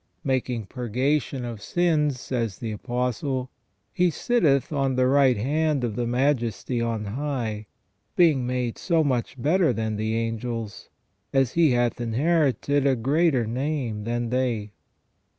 " Making purgation of sins," says the Apostle, " He sitteth on the right hand of the Majesty on high, being made so much better than the angels, as He hath inherited a greater name than they."